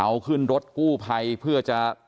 เอาขึ้นรถกู้ภัยเพื่อจะ